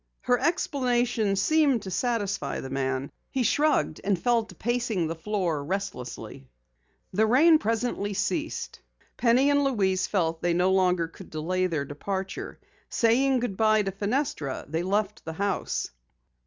Her explanation seemed to satisfy the man. He shrugged and fell to pacing the floor restlessly. The rain presently ceased. Penny and Louise felt that they no longer could delay their departure. Saying good bye to Fenestra, they left the house.